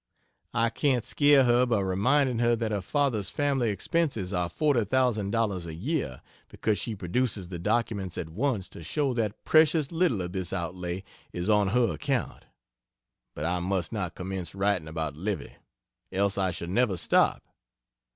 I can't scare her by reminding her that her father's family expenses are forty thousand dollars a year, because she produces the documents at once to show that precious little of this outlay is on her account. But I must not commence writing about Livy, else I shall never stop.